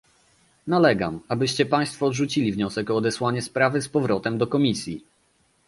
Nalegam, abyście państwo odrzucili wniosek o odesłanie sprawy z powrotem do komisji